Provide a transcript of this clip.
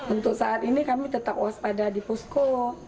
untuk saat ini kami tetap waspada di posko